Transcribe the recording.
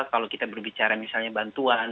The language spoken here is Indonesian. kalau kita berbicara misalnya bantuan